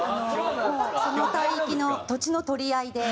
その帯域の土地の取り合いで。